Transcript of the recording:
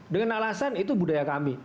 dengan alasan itu budaya kami